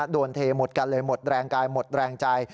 เทหมดกันเลยหมดแรงกายหมดแรงใจ